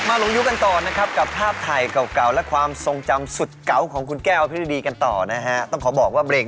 ลงยุคกันต่อนะครับกับภาพถ่ายเก่าเก่าและความทรงจำสุดเก๋าของคุณแก้วอภิริดีกันต่อนะฮะต้องขอบอกว่าเบรก